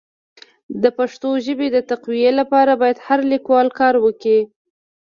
د پښتو ژبي د تقويي لپاره باید هر لیکوال کار وکړي.